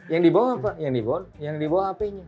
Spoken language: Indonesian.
yang dibawa apa yang dibawa hpnya